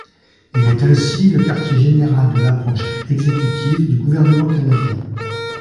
Il est ainsi le quartier général de la branche exécutive du gouvernement canadien.